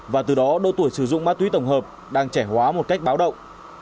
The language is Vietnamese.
và từ đó độ tuổi sử dụng ma túy tổng hợp đang trẻ hóa một cách báo động